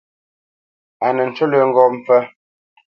A nə ncú lə́ ŋgó mpfə́.